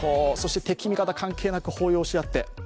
そして敵味方関係なく抱擁し合って。